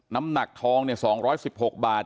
น้ำหนักทองเนี่ย๒๑๖บาท